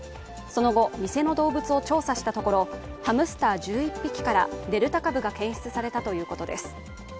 その後、店の動物を調査したとこ、ハムスター１１匹からデルタ株が検出されたということです。